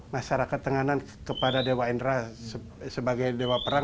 masyarakat tenganan kepada dewa indra sebagai dewa perang